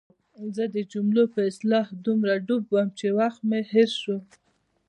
زه د جملو په اصلاح دومره ډوب وم چې وخت مې هېر شو.